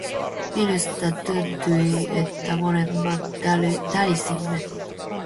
Minusta tuntui, että molemmat tärisimme;